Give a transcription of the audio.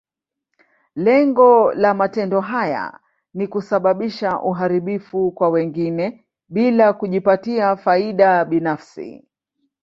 Lengo la matendo haya ni kusababisha uharibifu kwa wengine, bila kujipatia faida binafsi.